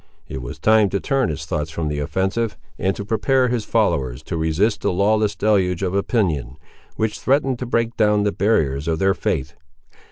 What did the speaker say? It was time to turn his thoughts from the offensive, and to prepare his followers to resist the lawless deluge of opinion, which threatened to break down the barriers of their faith.